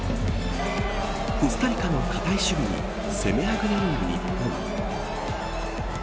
コスタリカの堅い守備に攻めあぐねる日本。